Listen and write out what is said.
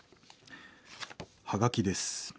はがきです。